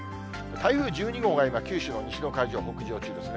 台風１２号が今、九州の西の海上を北上中ですね。